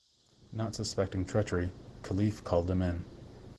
Not suspecting treachery, Caliph called them in.